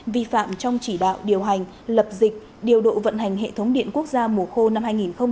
vi phạm trong chỉ đạo điều hành lập dịch điều độ vận hành hệ thống điện quốc gia mùa khô năm hai nghìn hai mươi